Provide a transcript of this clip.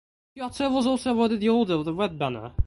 Pyotr was also awarded the Order of the Red Banner.